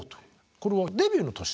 これはデビューの年？